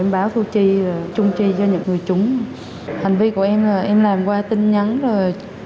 em báo thu chi chung chi cho những người chúng hành vi của em là em làm qua tin nhắn rồi